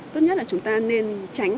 tốt nhất là chúng ta nên tránh